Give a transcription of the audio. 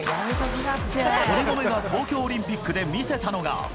堀米が東京オリンピックで見せたのが。